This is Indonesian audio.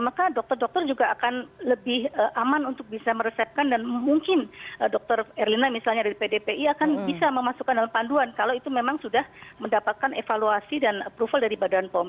maka dokter dokter juga akan lebih aman untuk bisa meresepkan dan mungkin dokter erlina misalnya dari pdpi akan bisa memasukkan dalam panduan kalau itu memang sudah mendapatkan evaluasi dan approval dari badan pom